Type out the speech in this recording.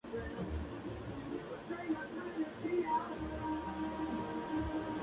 Estas situaciones empiezan con violencia verbal desde cualquier barrio.